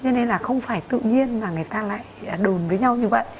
cho nên là không phải tự nhiên mà người ta lại đồn với nhau như vậy